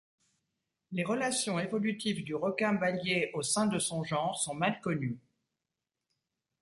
Les relations évolutives du requin-baliai au sein de son genre sont mal connues.